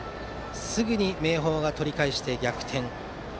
すぐに明豊が取り返して逆転。